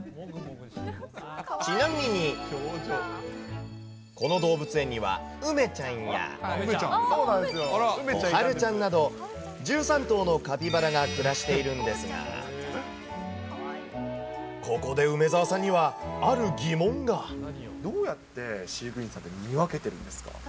ちなみに、この動物園にはウメちゃんやコハルちゃんなど、１３頭のカピバラが暮らしているんですが、ここで梅澤さんには、どうやって飼育員さんって見分けてるんですか。